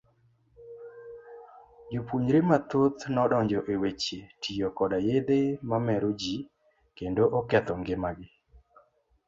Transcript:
Jopuonjre mathoth nodonjo e weche tiyo koda yedhe mameroji kendo oketho ng'ima gi.